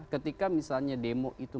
ketika misalnya demo itu